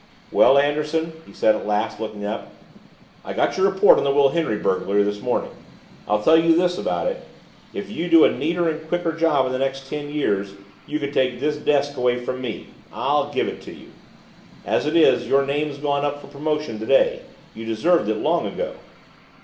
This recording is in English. "Well, Anderson," he said at last, looking up, "I got your report on the Wilhenry burglary this morning. I'll tell you this about it if you do a neater and quicker job in the next ten years, you can take this desk away from me. I'll give it to you. As it is, your name's gone up for promotion today; you deserved it long ago."